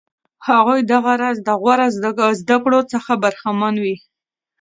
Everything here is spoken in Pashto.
هغوی دغه راز د غوره زده کړو څخه برخمن وي.